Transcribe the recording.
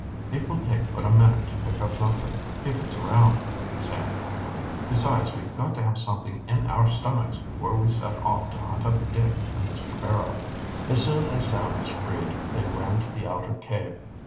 "It will take but a minute to pick up something, if it's around, Sam. Besides, we have got to have something in our stomachs before we set off to hunt up Dick and Mr. Barrow." As soon as Sam was freed they ran to the outer cave.